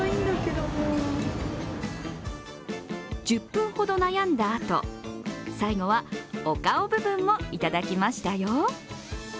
１０分ほど悩んだあと、最後はお顔部分もいただきましたよ。